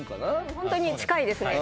ホントに近いですね